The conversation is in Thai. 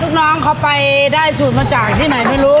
ลูกน้องเขาไปได้สูตรมาจากที่ไหนไม่รู้